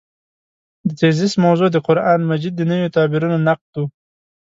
د تېزس موضوع د قران مجید د نویو تعبیرونو نقد و.